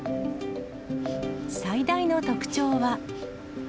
最大の特徴は。